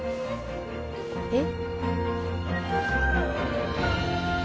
えっ？